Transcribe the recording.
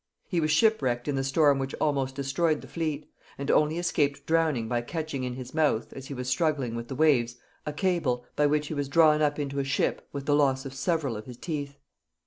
He was shipwrecked in the storm which almost destroyed the fleet, and only escaped drowning by catching in his mouth, as he was struggling with the waves, a cable, by which he was drawn up into a ship with the loss of several of his teeth.